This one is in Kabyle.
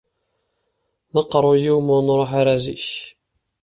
D aqerruy-iw ma ur nṛuḥ ara zik.